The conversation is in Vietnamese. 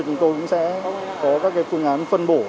chúng tôi cũng sẽ có các phương án phân bổ